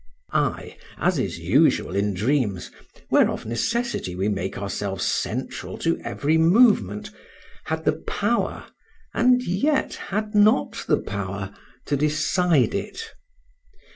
I, as is usual in dreams (where of necessity we make ourselves central to every movement), had the power, and yet had not the power, to decide it.